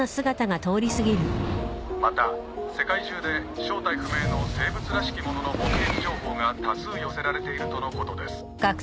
また世界中で正体不明の生物らしきものの目撃情報が多数寄せられているとのことです。